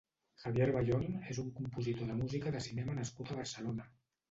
Javier Bayon és un compositor de música de cinema nascut a Barcelona.